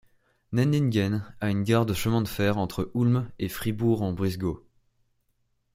Nendingen a une gare de chemin de fer entre Ulm et Fribourg-en-Brisgau.